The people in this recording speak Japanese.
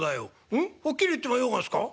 「うん？はっきり言ってもようがすか？